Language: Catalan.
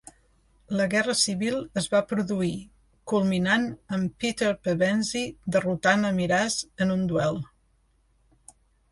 La guerra civil es va produir, culminant amb Peter Pevensie derrotant a Miraz en un duel.